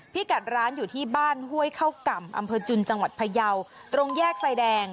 พี่กัดร้านอยู่ที่บ้านห้วยเข้าก่ำอำเภอจุนจังหวัดพยาวตรงแยกไฟแดง